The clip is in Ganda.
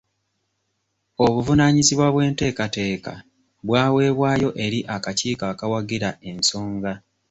Obuvunaanyizibwa bw'enteekateeka bwaweebwayo eri akakiiko akawagira ensonga.